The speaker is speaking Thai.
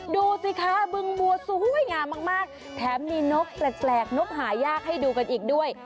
ดูสิคะบึงบัวสวยงามมากแถมมีนกแปลกนกหายากให้ดูกันอีกด้วย